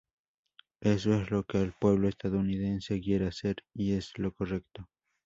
Eso es lo que el pueblo estadounidense quiere hacer, y es lo correcto.